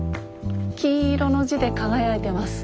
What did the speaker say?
金色の字で輝いています。